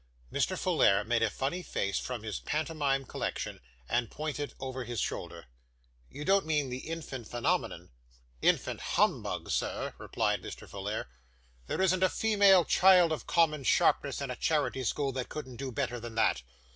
Mr. Folair made a funny face from his pantomime collection, and pointed over his shoulder. 'You don't mean the infant phenomenon?' 'Infant humbug, sir,' replied Mr. Folair. 'There isn't a female child of common sharpness in a charity school, that couldn't do better than that.